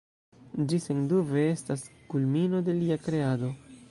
Ĝi sendube estas kulmino de lia kreado.